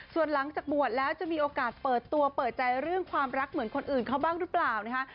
ส่วนหลังจากบวชแล้วจะมีโอกาสเปิดตัวเปิดใจเรื่องความรักเหมือนคนอื่นเขาบ้างหรือเปล่านะคะ